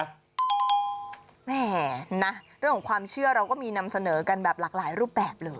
แหมนะเรื่องของความเชื่อเราก็มีนำเสนอกันแบบหลากหลายรูปแบบเลย